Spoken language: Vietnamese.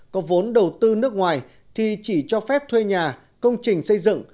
có vốn đầu tư nước ngoài thì chỉ cho phép thuê nhà công trình xây dựng